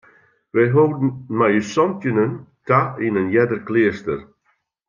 Wy holden mei ús santjinnen ta yn in earder kleaster.